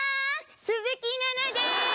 鈴木奈々です！